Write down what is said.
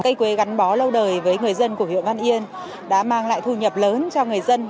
cây quế gắn bó lâu đời với người dân của huyện văn yên đã mang lại thu nhập lớn cho người dân